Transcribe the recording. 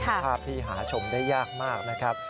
เป็นภาพที่หาชมได้ยากมากนะครับ